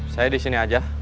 saya di sini aja